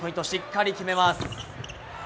しっかり決めます。